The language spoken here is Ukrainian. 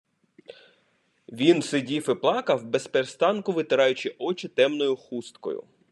Він сидів і плакав, безперестанку витираючи очі темною хусткою.